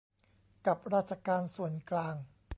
กับราชการส่วนกลาง